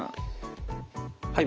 はい。